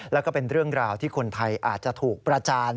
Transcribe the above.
แล้วก็เป็นเรื่องราวที่คนไทยอาจจะถูกประจาน